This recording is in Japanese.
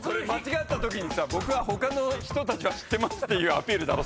僕は他の人たちは知ってますっていうアピールだろ？